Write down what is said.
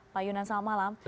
pak yunan selamat malam